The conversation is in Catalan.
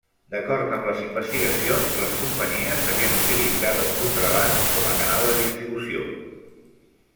D'acord amb les investigacions, les companyies havien utilitzat el contraban com a canal de distribució.